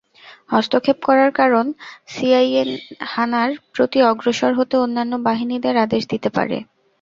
হস্তক্ষেপ করার কারণ, সিআইএ হা-নার প্রতি অগ্রসর হতে অন্যান্য বাহিনীদের আদেশ দিতে পারে।